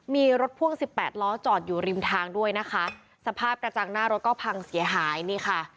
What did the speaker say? มีรถพ่วงสิบแปดล้อจอดอยู่ริมทางด้วยนะคะสภาพกระจังหน้ารถก็พังเสียหายนี่ค่ะ